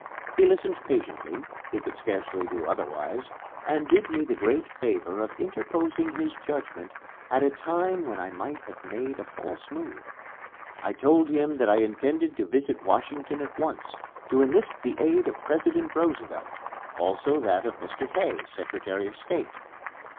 He listened patiently he could scarcely do otherwise and did me the great favor of interposing his judgment at a time when I might have made a false move. I told him that I intended to visit Washington at once, to enlist the aid of President Roosevelt; also that of Mr. Hay, Secretary of State.